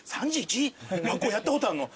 落語やったことあんの？